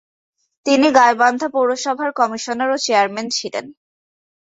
তিনি গাইবান্ধা পৌরসভার কমিশনার ও চেয়ারম্যান ছিলেন।